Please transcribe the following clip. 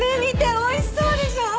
おいしそうでしょ？